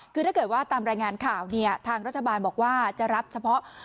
คือถ้าเกิดว่าตามรายงานข่าวเนี่ยทางรัฐบาลบอกว่าจะรับเฉพาะ